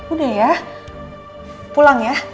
udah ya pulang ya